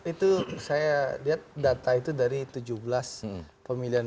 itu saya lihat data itu dari tujuh belas pemilihan